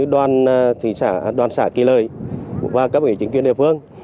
đoàn thị xã kỳ lợi và các bệnh viện chính quyền địa phương